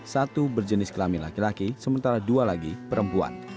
satu berjenis kelamin laki laki sementara dua lagi perempuan